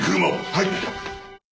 はい。